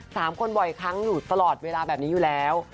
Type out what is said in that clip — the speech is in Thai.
สามคนบ่อยครั้งอยู่ตลอดเวลาแบบนี้อยู่แล้ว